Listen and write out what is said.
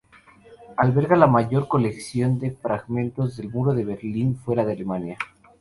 Alberga la mayor colección de fragmentos del Muro de Berlín fuera de Alemania.